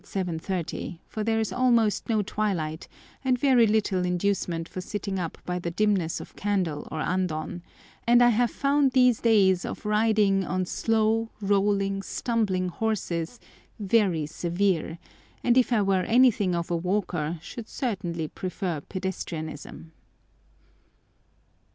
30, for there is almost no twilight, and very little inducement for sitting up by the dimness of candle or andon, and I have found these days of riding on slow, rolling, stumbling horses very severe, and if I were anything of a walker, should certainly prefer pedestrianism.